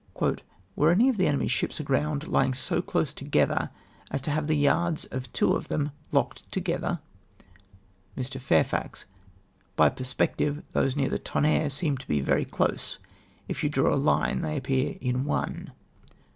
" Were any of tlie enem3''s ships aground lying so close together as to have the yards of two of them locked together ?" Mr. Fairfax. —" By perspective those near the Tonnerre seemed to he very close. If you draw a line they appear in one."